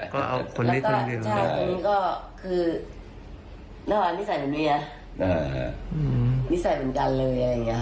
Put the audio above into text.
ก็เอาคนน้ี้คนเดียว